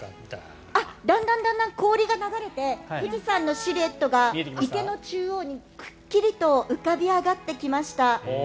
だんだん氷が流れて富士山のシルエットが池の中央にくっきりと浮かび上がってきました。